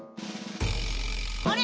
あれ？